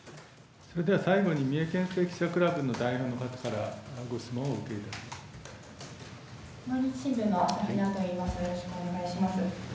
それでは最後に三重けんせい記者クラブの代表の方からご質問をお受けいたします。